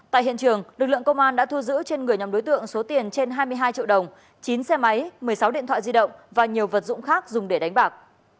tại hiện trường lực lượng công an đã thu giữ trên người nhóm đối tượng số tiền trên hai mươi hai triệu đồng chín xe máy một mươi sáu điện thoại di động và nhiều vật dụng khác dùng để đánh bạc